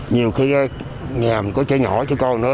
nhiều khi nhà có trẻ nhỏ cho con nữa